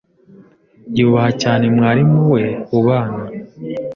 Yubaha cyane mwarimu we ubana.